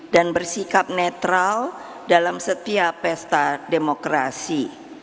dan bersikap netral dalam setiap pesta demokrasi